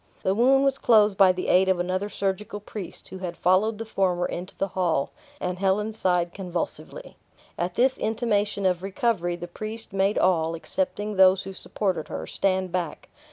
The wound was closed by the aid of another surgical priest, who had followed the former into the hall, and Helen sighed convulsively. At this intimation of recovery, the priest made all, excepting those who supported her, stand back.